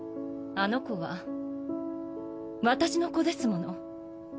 あの子は私の子ですもの。